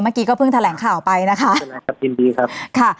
เมื่อกี๊ก็เพิ่งแถลงข่าวไปนะคะ